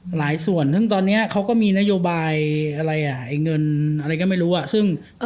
หลายส่วนซึ่งตอนนี้เขาก็มีนโยบายเงินอะไรก็ไม่รู้